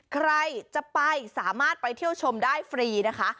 ใครจะไปสามารถไปเที่ยวชมได้ฟรีนะคะ